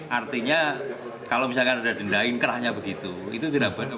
artinya kalau misalkan ada denda inkrahnya begitu itu tidak berlaku